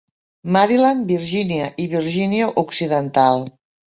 Maryland, Virgínia i Virgínia Occidental.